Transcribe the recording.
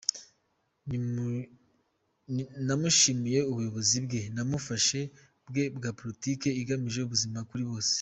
Namushimiye ubuyobozi bwe n’ubufasha bwe bwa politiki igamije ubuzima kuri bose.